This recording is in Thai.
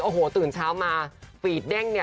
โอ้โหตื่นเช้ามาฟีดเด้งเนี่ย